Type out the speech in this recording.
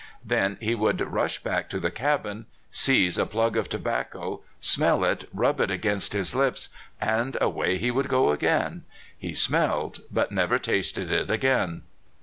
Then he would rush back to the cabin, seize a plug of tobacco, smell it, rub it against his lips, and away he would go again » He smelled, but never tasted it again.